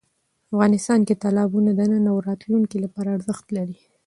افغانستان کې تالابونه د نن او راتلونکي لپاره ارزښت لري.